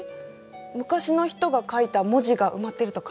昔の人が書いた文字が埋まってるとか？